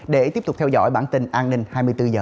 để tiếp tục theo dõi bản tin an ninh hai mươi bốn h